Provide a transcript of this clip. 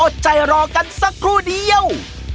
อดใจรอกันสักครู่เดียว